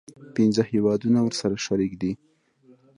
پنځه هیوادونه ورسره شریک دي.